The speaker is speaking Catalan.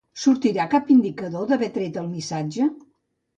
Sortirà cap indicador d'haver tret el missatge?